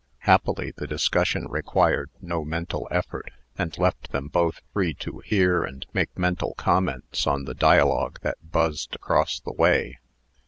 Happily, the discussion required no mental effort, and left them both free to hear and make mental comments on the dialogue that buzzed across the way.